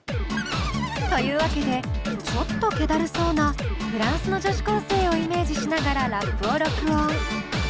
というわけでちょっとけだるそうなフランスの女子高生をイメージしながらラップを録音。